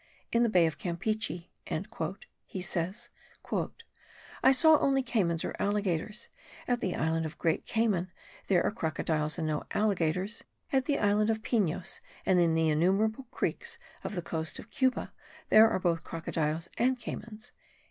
"In the bay of Campeachy," he says, "I saw only caymans or alligators; at the island of Great Cayman, there are crocodiles and no alligators; at the island of Pinos, and in the innumerable creeks of the coast of Cuba, there are both crocodiles and caymans."